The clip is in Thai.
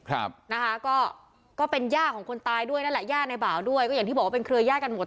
ครับนะคะก็ก็เป็นย่าของคนตายด้วยนั่นแหละย่าในบ่าวด้วยก็อย่างที่บอกว่าเป็นเครือญาติกันหมด